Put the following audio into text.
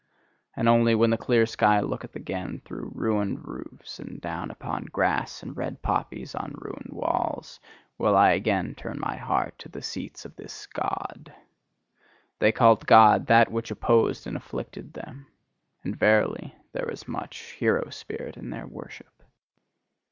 And only when the clear sky looketh again through ruined roofs, and down upon grass and red poppies on ruined walls will I again turn my heart to the seats of this God. They called God that which opposed and afflicted them: and verily, there was much hero spirit in their worship!